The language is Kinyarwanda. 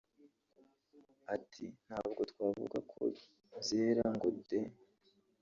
Ati “Ntabwo twavuga ko byera ngo de